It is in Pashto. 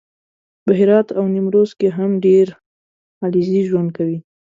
په هرات او نیمروز کې هم ډېر علیزي ژوند کوي